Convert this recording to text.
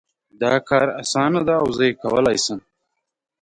دا کار اسانه ده او زه یې کولای شم